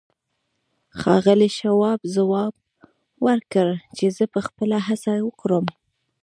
ښاغلي شواب ځواب ورکړ چې زه به خپله هڅه وکړم.